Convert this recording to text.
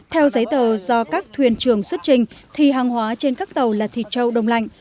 theo giấy tờ do các thuyền trường xuất trình thì hàng hóa trên các tàu là thịt trâu đông lạnh